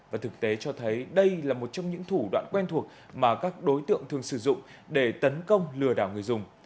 và thực tế cho thấy đây là một trong những thủ đoạn quen thuộc mà các đối tượng thường sử dụng để tấn công lừa đảo người dùng